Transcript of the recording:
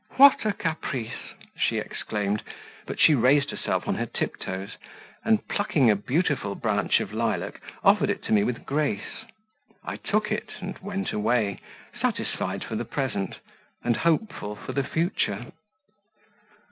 "What a caprice!" she exclaimed, but she raised herself on her tip toes, and, plucking a beautiful branch of lilac, offered it to me with grace. I took it, and went away, satisfied for the present, and hopeful for the future.